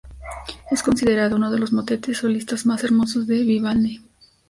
Es considerado uno los motetes solistas más hermosos de Vivaldi.